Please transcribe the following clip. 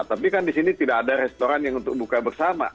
tapi kan di sini tidak ada restoran yang untuk buka bersama